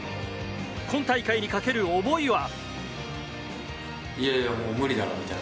今大会にかける思いは？